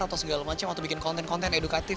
atau segala macam atau bikin konten konten edukatif